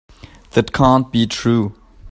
That can't be true.